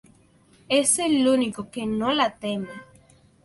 Es el único que no la teme.